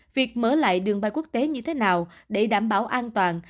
việc mở lại đường bay quốc tế như thế nào để đảm bảo an toàn